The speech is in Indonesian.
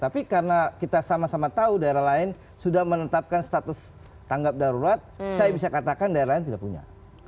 tapi karena kita sama sama tahu daerah lain sudah menetapkan status tanggap darurat saya bisa katakan daerah lain tidak punya